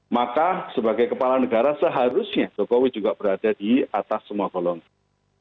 maka sebagai kepala negara seharusnya jokowi juga berada di atas semua golongan